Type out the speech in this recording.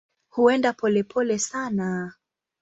Huenda polepole sana.